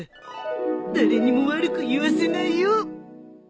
誰にも悪く言わせないよ